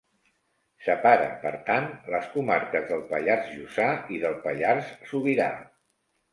Separa, per tant, les comarques del Pallars Jussà i del Pallars Sobirà.